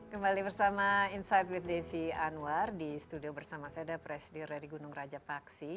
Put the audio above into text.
kembali bersama insight with daisy anwar di studio bersama saya dha pres reddy gunung raja paksi